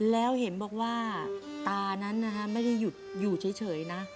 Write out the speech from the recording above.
แล้วเห็นบอกว่าตานั้นนะฮะไม่ได้หยุดอยู่เฉยนะ